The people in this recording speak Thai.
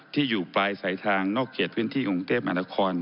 ที่อยู่ปลายสายทางนอกเขตพื้นที่กรุงเทพมหานคร